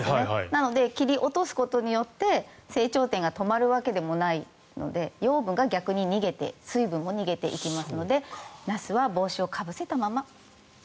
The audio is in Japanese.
なので、切り落とすことによって成長点が止まるわけでもないので養分が逆に逃げて水分も逃げていきますのでナスは帽子をかぶせたまま。